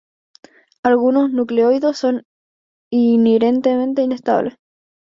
Algunos nucleidos son inherentemente inestables.